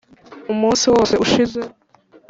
umunsi wose ushize,